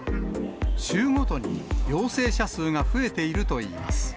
週ごとに陽性者数が増えているといいます。